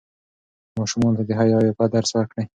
ماشومانو ته د حیا او عفت درس ورکړئ.